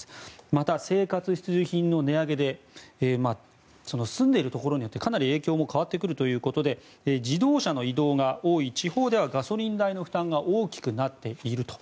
また、生活必需品の値上げで住んでいるところによってかなり影響も変わってくるということで自動車の移動が多い地方ではガソリン代の負担が大きくなっていると。